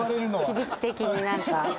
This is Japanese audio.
響き的に何か。